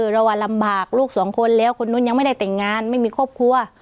เราว่าลำบากลูกสองคนแล้วคนนู้นยังไม่ได้แต่งงานไม่มีครอบครัว